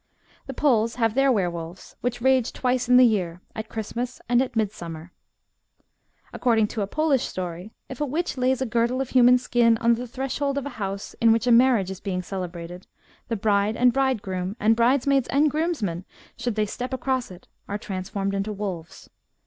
The Poles have their were wolves, which rage twice in the year — at Christmas and at midsummer. According to a Polish story, if a witch lays a girdle of human skin on the threshold of a house in which a marriage is being celebrated, the bride and bridegroom, and bridesmaids and groomsmen, should they step across it, are transformed into wolves.